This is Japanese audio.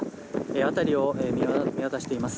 辺りを見渡しています。